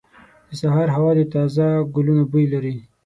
• د سهار هوا د تازه ګلونو بوی لري.